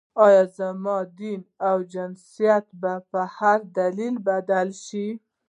یا زما دین او جنسیت په هر دلیل بدل شي.